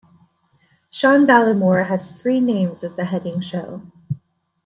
Shanballymore has three names as the heading show.